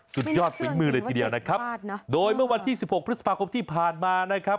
สุดยอดฝีมือเลยทีเดียวนะครับโดยเมื่อวันที่๑๖พฤษภาคมที่ผ่านมานะครับ